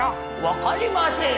分かりません！